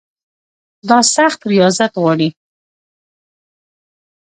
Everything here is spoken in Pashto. دا سخت ریاضت غواړي.